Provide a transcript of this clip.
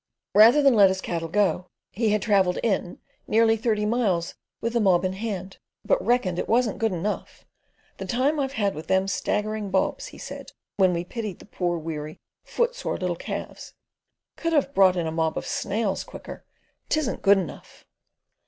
Rather than let his cattle go, he had travelled in nearly thirty miles with the mob in hand, but "reckoned" it wasn't "good enough." "The time I've had with them staggering bobs," he said, when we pitied the poor, weary, footsore little calves: "could 'av brought in a mob of snails quicker. 'Tisn't good enough."